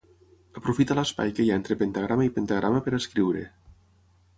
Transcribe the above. Aprofita l'espai que hi ha entre pentagrama i pentagrama per escriure.